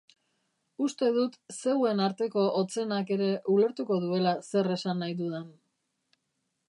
Uste dut zeuen arteko hotzenak ere ulertuko duela zer esan nahi dudan.